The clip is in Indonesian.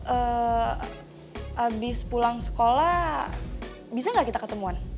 eh abis pulang sekolah bisa gak kita ketemuan